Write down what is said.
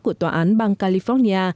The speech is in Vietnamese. của tòa án bang california